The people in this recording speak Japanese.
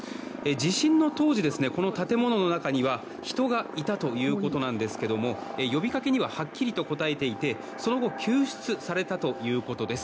地震の当時この建物の中には人がいたということですが呼びかけにははっきりと答えていてその後救出されたということです。